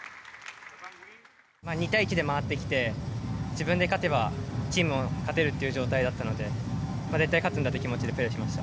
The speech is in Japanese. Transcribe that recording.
２対１で回ってきて、自分で勝てばチームが勝てるっていう状態だったので、絶対勝つんだっていう気持ちでプレーしました。